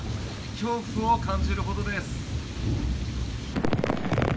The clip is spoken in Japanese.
恐怖を感じるほどです。